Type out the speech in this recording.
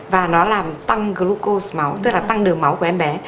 và nó làm tăng glucose máu tức là tăng đường máu của em bé